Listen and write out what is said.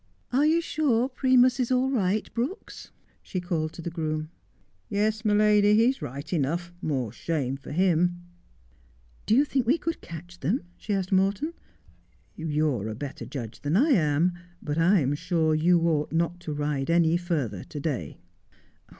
' Are you sure Primus is all right, Brooks 1 ' she called to the groom. ' Yes my lady, he's right enough, more shame for him.' 112 Just as I Am. ' Do you think we could catch them 1 ' she asked Morton. ' You are a better judge than I am, but I am sure you ought not to ride any further to day.'